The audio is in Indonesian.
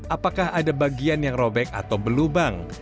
apakah ada bagian yang robek atau berlubang